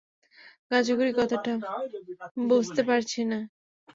গাঁজাখুরি কথাটা বুঝতে পারছি না।